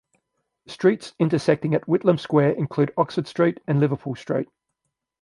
Streets intersecting at Whitlam Square include Oxford Street and Liverpool Street.